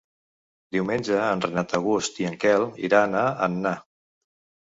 Diumenge en Renat August i en Quel iran a Anna.